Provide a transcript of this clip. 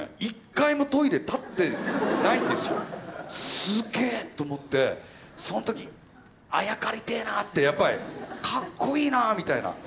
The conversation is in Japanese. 「すげえ！」と思ってその時あやかりてえなってやっぱりかっこいいなみたいな。